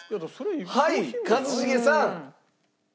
はい一茂さん。